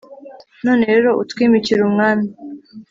none rero utwimikire umwami